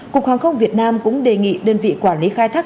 cục hàng không việt nam cũng đề nghị đơn vị quản lý khai thác